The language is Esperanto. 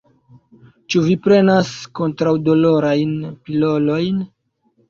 Ĉu vi prenas kontraŭ-dolorajn pilolojn?